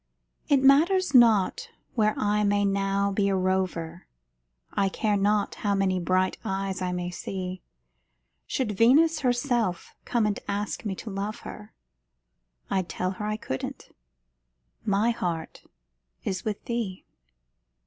It matters not where I may now be a rover, I care not how many bright eyes I may see; Should Venus herself come and ask me to love her, I'd tell her I couldn't my heart is with thee.